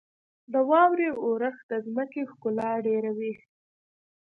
• د واورې اورښت د ځمکې ښکلا ډېروي.